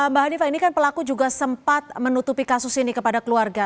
mbak hanifah ini kan pelaku juga sempat menutupi kasus ini kepada keluarga